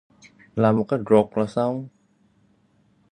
Làm một cái rột là xong